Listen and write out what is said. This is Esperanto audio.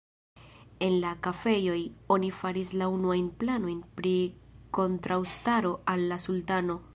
En la kafejoj, oni faris la unuajn planojn pri kontraŭstaro al la sultano.